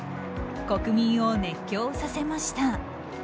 国民を熱狂させました。